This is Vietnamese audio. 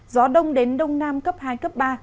gió đông đến đông nam cấp hai cấp ba